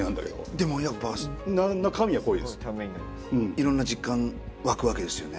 いろんな実感湧くわけですよね。